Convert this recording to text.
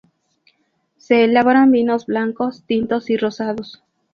Se elaboran vinos blancos, tintos y rosados.